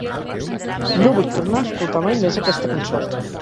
No vull tornar a escoltar mai més aquesta cançó.